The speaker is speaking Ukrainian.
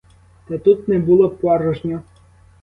Та тут не було порожньо.